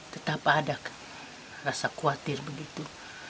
betapa ada rasa khawatir begitu